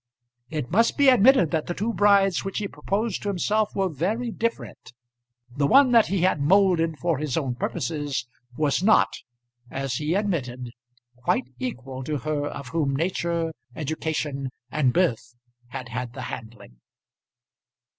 It must be admitted that the two brides which he proposed to himself were very different. The one that he had moulded for his own purposes was not, as he admitted, quite equal to her of whom nature, education, and birth had had the handling.